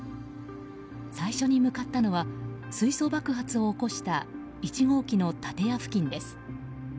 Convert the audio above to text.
最初に向かったのは水素爆発を起こした１号機の建屋付近です。